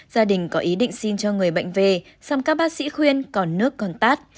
gia đình có ý định xin cho người bệnh về xong các bác sĩ khuyên còn nước còn tát